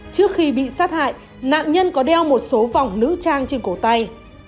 trước khi bị sát hại nạn nhân có đeo một số vòng nữ trang trên cổ tay